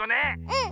うん！